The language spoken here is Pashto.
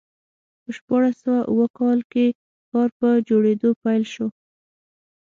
په شپاړس سوه اووه کال کې ښار په جوړېدو پیل شو.